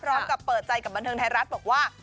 พร้อมกับเปิดใจกับบันเทิงไทยรัฐบอกว่า